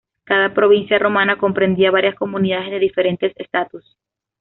Cada provincia romana comprendía varias comunidades de diferente estatus.